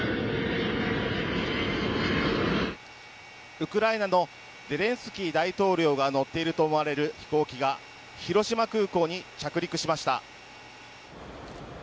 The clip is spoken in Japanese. ウクライナのゼレンスキー大統領が乗っていると思われる飛行機が広島空港に着陸しました。